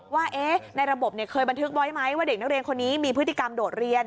ว่าในระบบเคยบันทึกไว้ไหมว่าเด็กนักเรียนคนนี้มีพฤติกรรมโดดเรียน